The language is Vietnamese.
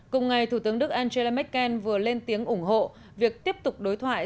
cùng ngày thủ tướng đức angela merkel vừa lên tiếng ủng hộ việc tiếp tục đối thoại